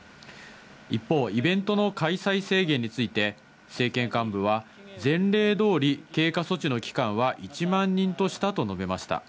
一方、イベントの開催制限について政権幹部は、前例通り、経過措置の期間は１万人としたと述べました。